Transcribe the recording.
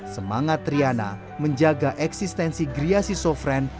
semangat triana menjaga eksistensi gria sisofren